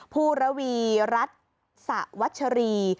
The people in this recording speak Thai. ภูระวีรัฐสะวัชรี